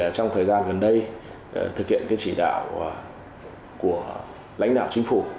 trong thời gian gần đây thực hiện chỉ đạo của lãnh đạo chính phủ